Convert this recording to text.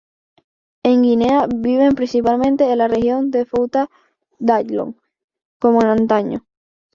En Guinea viven principalmente en la región de Fouta-Djallon, como en antaño.